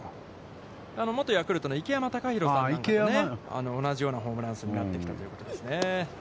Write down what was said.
元ヤクルトの池山隆寛さんと同じようなホームラン数になってきたということですね。